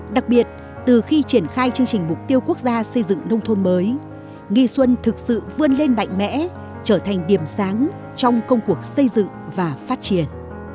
đặc biệt từ khi triển khai chương trình mục tiêu quốc gia xây dựng nông thôn mới nghi xuân thực sự vươn lên mạnh mẽ trở thành điểm sáng trong công cuộc xây dựng và phát triển